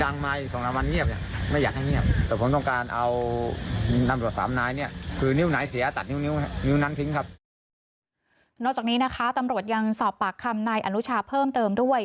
นอกจากนี้นะคะตำรวจยังสอบปากคำนายอนุชาเพิ่มเติมด้วย